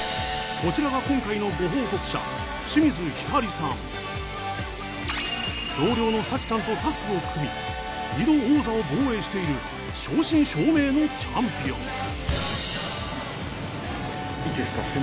こちらが今回のご報告者同僚のＳＡＫＩさんとタッグを組み二度王座を防衛している正真正銘のチャンピオン。